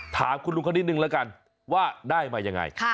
ถามคุณลุงเขานิดนึงแล้วกันว่าได้มายังไง